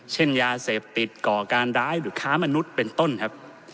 เช่นยาเสพติดก่อการร้ายหรือค้ามนุษย์เป็นต้นครับ